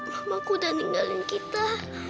mamaku udah ninggalin kita